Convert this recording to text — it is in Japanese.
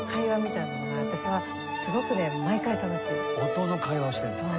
音の会話をしてるんですね。